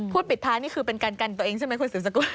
พูดปิดพานี่คือเป็นการกันตัวเองใช่ไหมคุณศิลป์สกุล